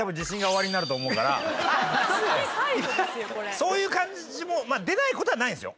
そういう感じもまあ出ない事はないんですよ。